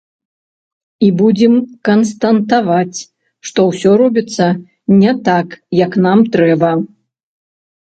І будзем канстатаваць, што ўсё робіцца не так, як нам трэба.